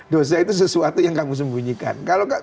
dosa itu sesuatu yang kamu sembunyikan